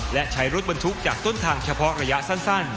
และใช้รถบรรทุกจากต้นทางเฉพาะระยะสั้น